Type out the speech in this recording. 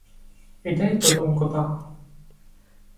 এটাই প্রথম কথা।